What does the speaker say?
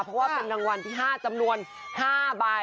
เพราะว่าเป็นรางวัลที่๕จำนวน๕ใบ